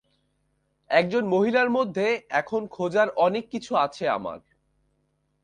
একজন মহিলার মধ্যে এখন খোঁজার অনেককিছু আছে আমার।